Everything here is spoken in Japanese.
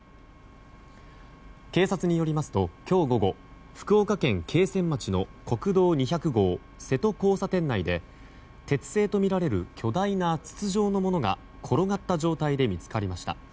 警察によりますと今日午後、福岡県桂川町の国道２００号瀬戸交差点内で鉄製とみられる巨大な筒状のものが転がった状態で見つかりました。